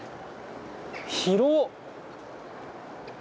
広っ！